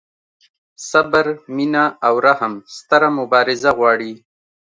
صبر، مینه او رحم ستره مبارزه غواړي.